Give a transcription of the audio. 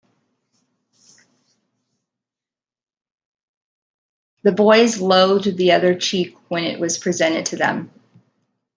The boys loathed the other cheek when it was presented to them.